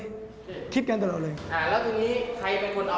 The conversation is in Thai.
แล้วทีนี้ใครเป็นคนเอาไปข่าวอยู่ไหล่ครับ